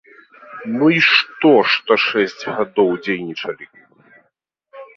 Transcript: Ну і што, што шэсць гадоў дзейнічалі?